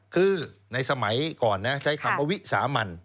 คือในสมัยก่อนใช้คำวิสามัญ